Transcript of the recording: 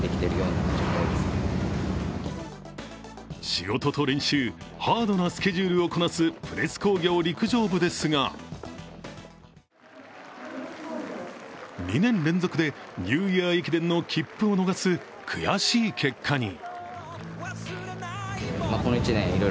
仕事と練習、ハードなスケジュールをこなすプレス工業陸上部ですが２年連続でニューイヤー駅伝の切符を逃す悔しい結果に。